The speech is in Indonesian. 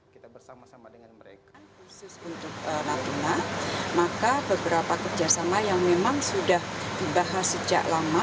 khusus untuk natuna maka beberapa kerjasama yang memang sudah dibahas sejak lama